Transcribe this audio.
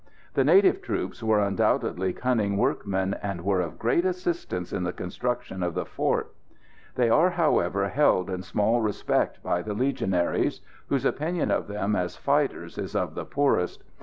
The native troops were undoubtedly cunning workmen, and were of great assistance in the construction of the fort. They are, however, held in small respect by the Legionaries, whose opinion of them as fighters is of the poorest.